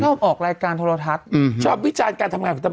ชอบออกรายการโทรทักชอบวิจารณ์การทำงาน